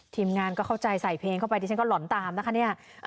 ทีมงานก็เข้าใจใส่เพลงเข้าไปดิฉันก็หล่อนตามนะคะเนี่ย